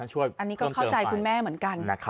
ช่วยเพิ่มเติมไปอันนี้ก็เข้าใจคุณแม่เหมือนกัน